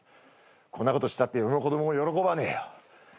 こんなことしたって嫁も子供も喜ばねえよ。